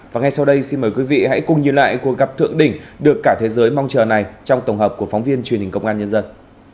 và ngay sau đây xin mời quý vị hãy cùng nhìn lại cuộc gặp thượng đỉnh được cả thế giới mong chờ này trong tổng hợp của phóng viên truyền hình công an nhân dân